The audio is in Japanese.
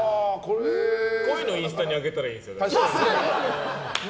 こういうのインスタに上げたらいいんですよ。